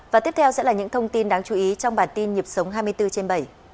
và tiếp theo sẽ là những thông tin đáng chú ý trong bản tin nhịp sống hai mươi bốn trên bảy